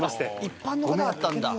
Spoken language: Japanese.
一般の方だったんだ。